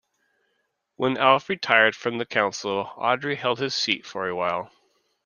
When Alf retired from the council, Audrey held his seat for a while.